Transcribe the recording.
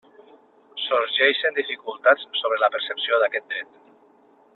Sorgeixen dificultats sobre la percepció d'aquest dret.